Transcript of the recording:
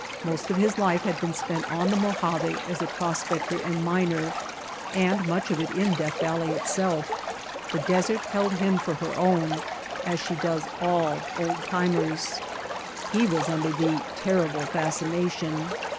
Most of his life had been spent on the Mojave as a prospector and miner, and much of it in Death Valley itself. The desert held him for her own as she does all old timers. He was under the "terrible fascination."